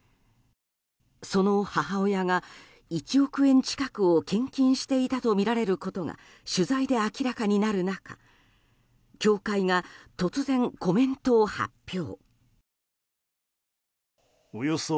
その母親が、１億円近くを献金していたとみられることが取材で明らかになる中教会が突然、コメントを発表。